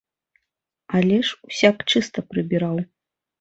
Але ж усяк чыста прабіраў!